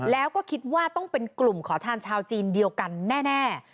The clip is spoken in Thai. แล้วก็คิดว่าต้องเป็นกลุ่มขอทานชาวจีนเดียวกันแน่